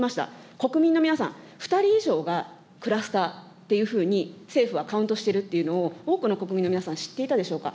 国民の皆さん、２人以上がクラスターっていうふうに、政府はカウントしているというのを多くの国民の皆さん、知っていたでしょうか。